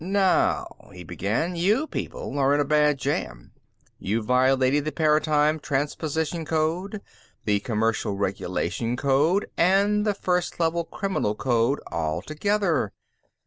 "Now," he began, "you people are in a bad jam. You've violated the Paratime Transposition Code, the Commercial Regulation Code, and the First Level Criminal Code, all together.